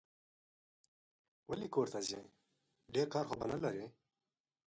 ولي کورته ځې ؟ ډېر کار خو به نه لرې